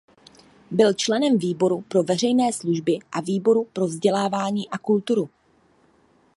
Byl členem výboru pro veřejné služby a výboru pro vzdělávání a kulturu.